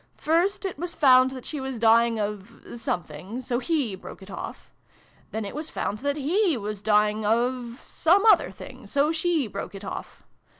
"First, it was found that she was dying of something ; so he broke it off. Then it was found that he was dying of some other thing ; so she broke it off.